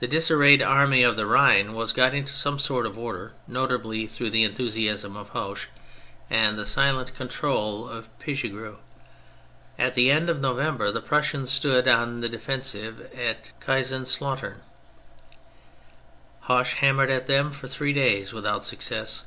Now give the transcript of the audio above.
The disarrayed " Army of the Rhine " was got into some sort of order, notably through the enthusiasm of Hoche and the silent control of Pichegru. At the end of November the Prussians stood on the defensive at Kaiserslautem. Hoche hammered at them for three days without success.